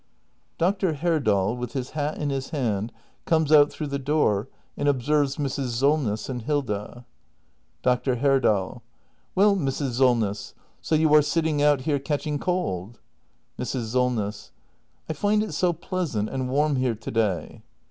Dr. Herdal, with his hat in his hand, comes out through tlie door, and observes Mrs. Solness and Hilda. Dr. Herdal. Well, Mrs. Solness, so you are sitting out here catch ing cold ? Mrs. Solness. I find it so pleasant and warm here to day.